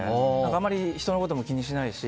あまり人のことも気にしないし。